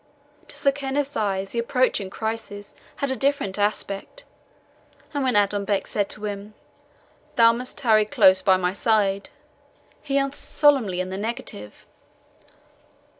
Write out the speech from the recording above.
To Sir Kenneth's eyes the approaching crisis had a different aspect, and when Adonbec said to him, "Thou must tarry close by my side," he answered solemnly in the negative.